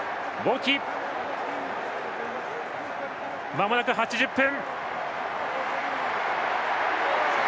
まもなく８０分。